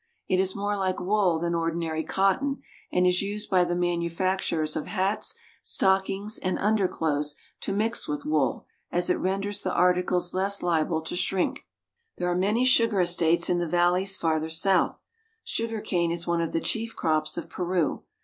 It is more like wool than ordinary cotton, and is used by the manufacturers of hats, stockings, and un derclothes to mix with wool, as it renders the articles less liable to shrink. There are many sugar estates in the valleys farther south. Sugar cane is one of the chief crops of Peru.